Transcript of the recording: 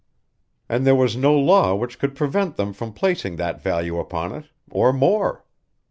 And there was no law which could prevent them from placing that value upon it, or more.